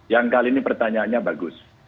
yang kali ini pertanyaannya bagus